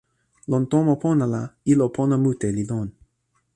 lon tomo pona la, ilo pona mute li lon.